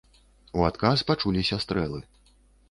У адказ пачуліся стрэлы.